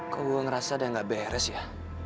kok gue ngerasa udah nggak beres ya